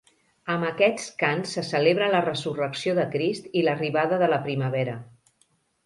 Amb aquests cants se celebra la resurrecció de Crist i l'arribada de la primavera.